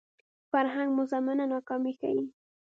فرهنګ مزمنه ناکامي ښيي